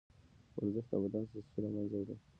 ورزش د بدن سستي له منځه وړي.